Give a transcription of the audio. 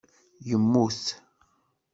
Yemmut